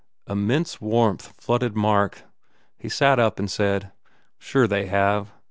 Immense warmth flooded Mark. He sat up and said, "Sure they have.